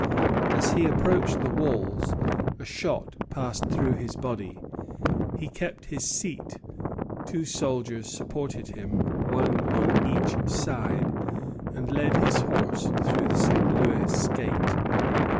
As he approached the walls a shot passed through his body. He kept his seat; two soldiers supported him, one on each side, and led his horse through the St. Louis Gate.